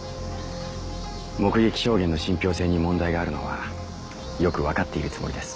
目撃証言の信憑性に問題があるのはよくわかっているつもりです。